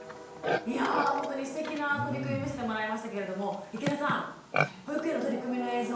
いやほんとにすてきな取り組み見せてもらいましたけれども池田さん保育園の取り組みの映像